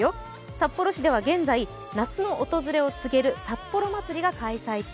札幌市では現在、夏の訪れを告げる札幌まつりが開催中。